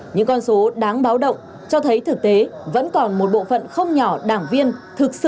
những con số đáng báo động cho thấy thực tế vẫn còn một bộ phận không nhỏ đảng viên thực sự